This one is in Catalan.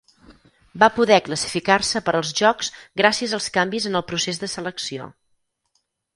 Va poder classificar-se per als Jocs gràcies als canvis en el procés de selecció.